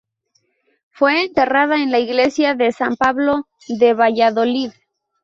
Fue enterrada en la Iglesia de San Pablo de Valladolid.